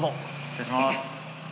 失礼します。